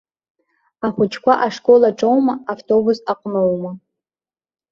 Ахәыҷқәа ашкол аҿоума, автобус аҟноума.